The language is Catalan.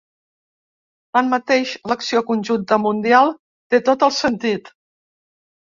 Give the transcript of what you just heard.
Tanmateix, l’acció conjunta mundial té tot el sentit.